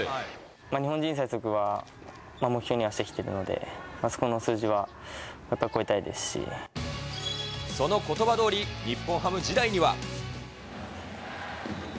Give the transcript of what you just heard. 日本人最速は目標にはしてきているので、そこの数字は超えたそのことばどおり、日本ハム時代には。